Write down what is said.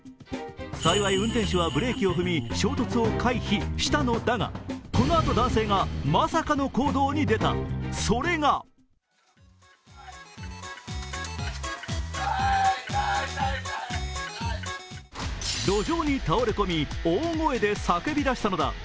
幸い運転手はブレーキを踏み、衝突を回避したのだがこのあと、男性がまさかの行動に出た、それが路上に倒れ込み、大声で叫びだしたのだ。